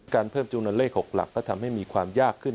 เพิ่มจำนวนเลข๖หลักก็ทำให้มีความยากขึ้น